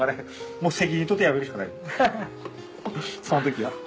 その時は。